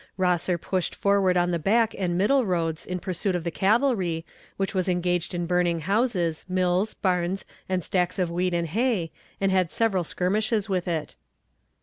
Rosser pushed forward on the back and middle roads in pursuit of the cavalry, which was engaged in burning houses, mills, barns, and stacks of wheat and hay, and had several skirmishes with it.